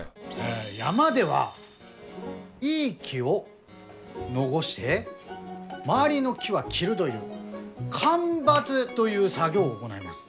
山ではいい木を残して周りの木は切るどいう間伐どいう作業を行います。